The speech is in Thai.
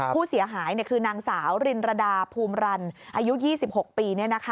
ผู้เสียหายคือนางสาวรินรดาภูมิรันอายุ๒๖ปี